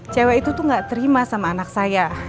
cewek itu tuh gak terima sama anak saya